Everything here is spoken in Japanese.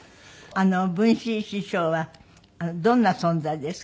文枝師匠はどんな存在ですか？